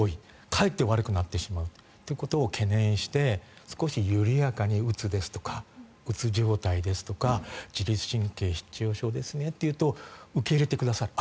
かえって悪くなってしまうということを懸念して少し緩やかに、うつですとかうつ状態ですとか自律神経失調症ですねと言うと受け入れてくださる。